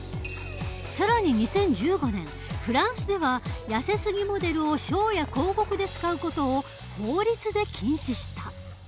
更に２０１５年フランスではやせすぎモデルをショーや広告で使う事を法律で禁止した。